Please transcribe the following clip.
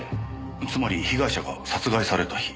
つまり被害者が殺害された日。